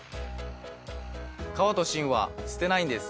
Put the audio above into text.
皮と芯は捨てないんです。